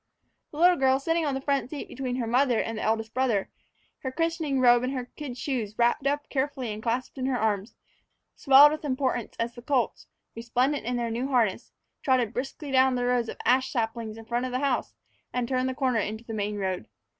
The little girl, sitting on the front seat between her mother and the eldest brother, her christening robe and the kid shoes wrapped up carefully and clasped in her arms, swelled with importance as the colts, resplendent in their new harness, trotted briskly down the rows of ash saplings in front of the house and turned the corner into the main road.